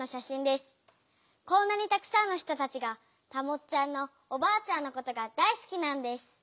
こんなにたくさんの人たちがたもっちゃんのおばあちゃんのことが大すきなんです。